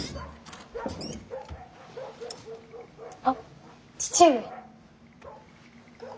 あっ義父上。